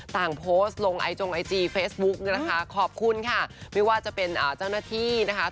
โพสต์ลงไอจงไอจีเฟซบุ๊กนะคะขอบคุณค่ะไม่ว่าจะเป็นเจ้าหน้าที่นะคะ